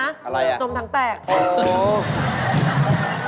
อะไรน่ะโน่มถังแตกโอ้โฮ